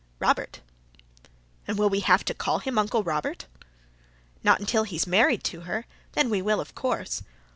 "Robert." "And will we have to call him Uncle Robert?" "Not until he's married to her. Then we will, of course."